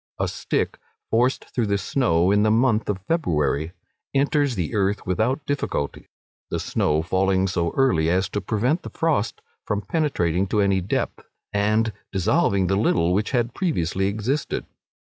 A stick forced through the snow in the month of February enters the earth without difficulty, the snow falling so early as to prevent the frost from penetrating to any depth, and dissolving the little which had previously existed.